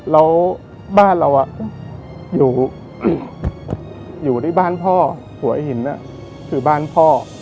แล้วบ้านเราอยู่ที่บ้านพ่อหัวหินคือบ้านพ่อ